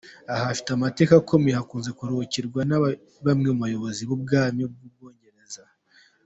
Aha hafite amateka akomeye, hakunze kuruhukirwa na bamwe mu bayoboye Ubwami bw’u Bwongereza.